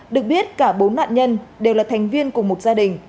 được biết cả bốn nạn nhân đều là thành viên của một gia đình